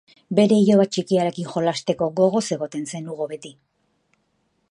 Bere iloba txikiarekin jolasteko gogoz egoten zen Hugo beti.